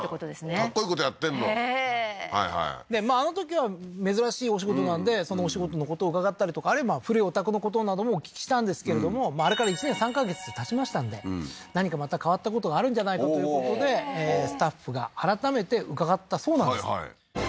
かっこいいことやってんのへえーまああのときは珍しいお仕事なんでそのお仕事のことを伺ったりとかあるいはまあ古いお宅のことなどもお聞きしたんですけれどもあれから１年３ヵ月たちましたんで何かまた変わったことがあるんじゃないかということでスタッフが改めて伺ったそうなんです